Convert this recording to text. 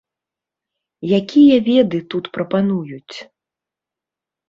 Якія веды тут прапануюць?